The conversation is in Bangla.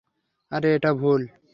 আরে এটা ভুল।